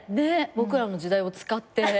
『ボクらの時代』を使って。